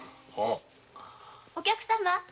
・お客様。